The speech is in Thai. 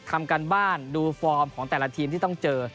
ทำการบ้านดูฟอร์มของแต่ละทีมที่ต้องเจอ